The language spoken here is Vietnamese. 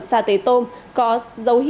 xa tế tổng